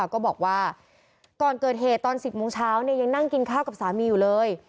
ก็บอกว่าก่อนเกิดเหตุตอน๑๐โมงเช้ายังนั่งกินข้าวกับสามีอยู่เลย